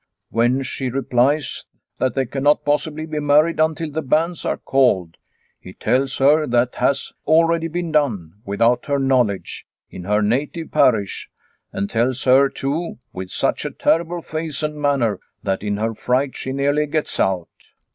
When she replies that they cannot possibly be married until the banns are called, The Accusation 229 he tells her that has already been done, without her knowledge, in her native parish, and tells her, too, with such a terrible face and manner, that in her fright she nearly gets out.